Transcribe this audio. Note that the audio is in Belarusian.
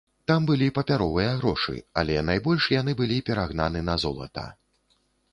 Там былі папяровыя грошы, але найбольш яны былі перагнаны на золата.